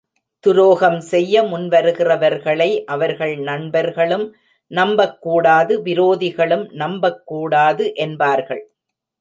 துரோகம் செய்ய முன்வருகிறவர்களை அவர்கள் நண்பர்களும் நம்பக்கூடாது, விரோதிகளும் நம்பக்கூடாது என்பார்கள்.